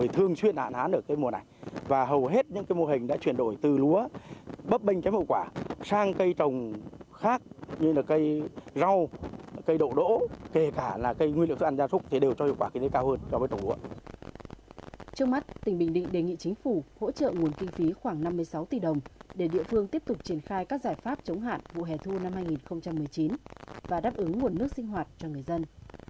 trong mắt tỉnh bình định đề nghị chính phủ hỗ trợ nguồn kinh phí khoảng năm mươi sáu tỷ đồng để địa phương tiếp tục triển khai các giải pháp chống hạn vụ hẻ thu năm hai nghìn một mươi chín và đáp ứng nguồn nước sinh hoạt cho người dân